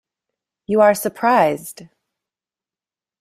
You are surprised.